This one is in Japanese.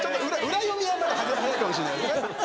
裏読みはまだ早いかもしんないですね。